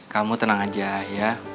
kamu tenang aja ya